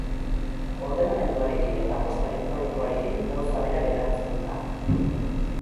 Ordenagailuarekin eta posta elektronikoarekin gauza bera geratzen da.